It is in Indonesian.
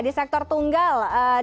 di sektor tunggal